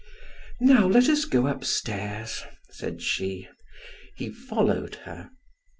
"Now, let us go upstairs," said she; he followed her.